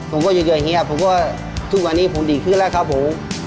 ผมก็อยู่อย่างนี้ผมก็ทุกวันนี้ผมดีขึ้นแล้วครับผม